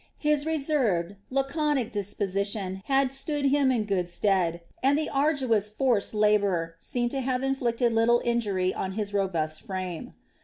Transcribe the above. His reserved, laconic disposition had stood him in good stead, and the arduous forced labor seemed to have inflicted little injury on his robust frame.